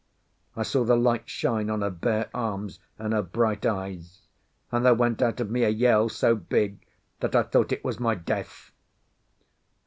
I saw the light shine on her bare arms and her bright eyes, and there went out of me a yell so big that I thought it was my death.